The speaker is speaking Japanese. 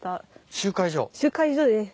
集会所です。